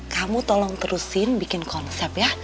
kamu tolong terusin bikin konsep ya